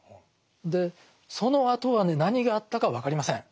でそのあとはね何があったか分かりません。